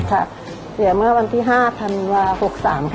เสียเมื่อวันที่๕ธันวา๖๓ค่ะ